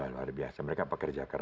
luar biasa mereka pekerja keras